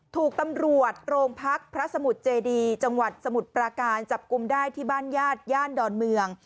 ถูกตำรวจโรงพักพระสมุทรเจดีจังหวัดสมุทรปราการจับกลุ่มได้ที่บ้านญาติย่านดอนเมือง